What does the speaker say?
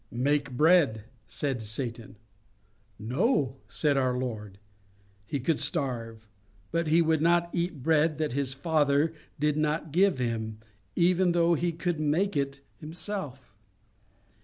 'Make bread,' said Satan. 'No,' said our Lord.—He could starve; but He could not eat bread that His Father did not give Him, even though He could make it Himself.